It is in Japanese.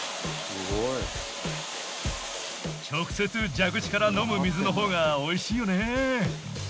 直接蛇口から飲む水のほうがおいしいよね。